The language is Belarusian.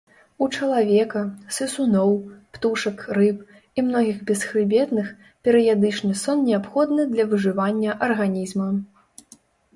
У чалавека, сысуноў, птушак, рыб і многіх бесхрыбетных, перыядычны сон неабходны для выжывання арганізма.